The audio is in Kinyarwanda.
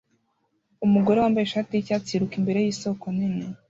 Umugore wambaye ishati yicyatsi yiruka imbere yisoko nini